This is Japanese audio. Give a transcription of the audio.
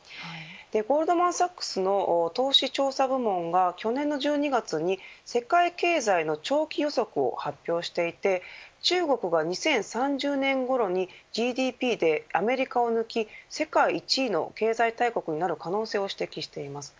ゴールドマン・サックスの投資調査部門が去年の１２月に世界経済の長期予測を発表していて中国が２０３０年ごろにＧＤＰで、アメリカを抜き世界１位の経済大国になる可能性を指摘しています。